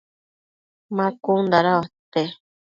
ma cun dada uate ?